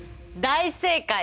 大正解！